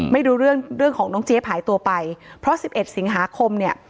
ไม่รู้เรื่องของน้องเจี๊ยบหายตัวไปเพราะสิบเอ็ดสิงหาคมเนี่ย